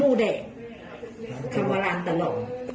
นู้แดงเหรอ